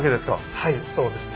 はいそうですね。